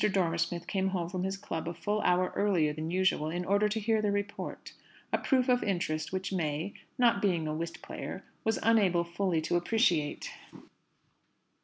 Dormer Smith came home from his club a full hour earlier than usual, in order to hear the report a proof of interest which May, not being a whist player, was unable fully to appreciate.